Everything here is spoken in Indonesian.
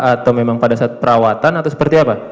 atau memang pada saat perawatan atau seperti apa